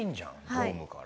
ドームから。